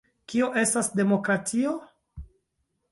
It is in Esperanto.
Kio estas demokratio?